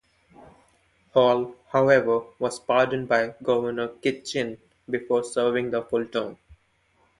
Hall, however, was pardoned by Governor Kitchin before serving the full term.